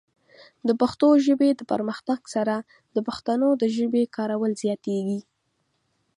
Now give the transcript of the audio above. د پښتو ژبې د پرمختګ سره، د پښتنو د ژبې کارول زیاتېږي.